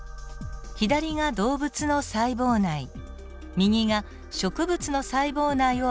左が動物の細胞内右が植物の細胞内を表しています。